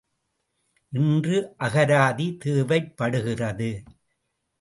இன்று அகராதி தேவைப்படுகிறது.